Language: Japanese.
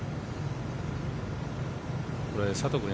これ、佐藤君